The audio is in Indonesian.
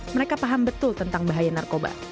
mereka paham betul tentang bahaya narkoba